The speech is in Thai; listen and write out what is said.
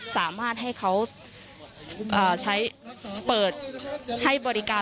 สามารถให้เขาใช้เปิดให้บริการ